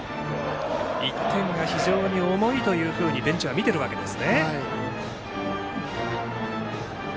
１点が非常に重いとベンチはみているわけですね。